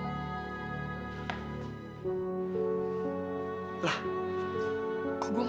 aku mau ke rumah